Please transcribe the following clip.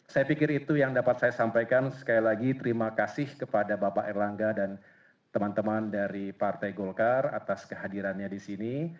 saya pikir itu yang dapat saya sampaikan sekali lagi terima kasih kepada bapak erlangga dan teman teman dari partai golkar atas kehadirannya di sini